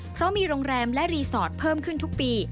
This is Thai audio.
เพราะมีโรงแรมและรีสอร์ทเพิ่มขึ้นทุกปี